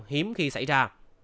hiếm khi xảy ra